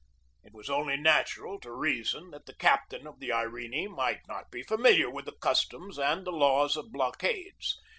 It was only natural to reason that the captain of the Irene might not be familiar with the customs and the laws of blockades.